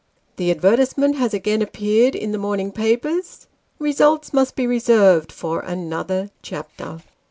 The advertisement has again appeared in the morning papers. Results must be reserved for another chapter.